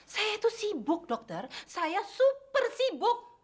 saya itu sibuk dokter saya super sibuk